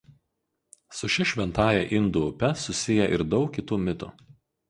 Su šia šventąja indų upe susiję ir daug kitų mitų.